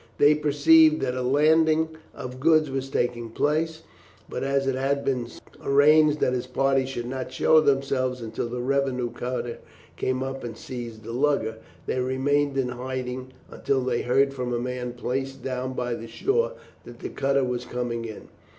They perceived that a landing of goods was taking place; but, as it had been arranged that his party should not show themselves until the revenue cutter came up and seized the lugger, they remained in hiding until they heard from a man placed down by the shore that the cutter was coming in.